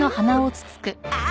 ああ！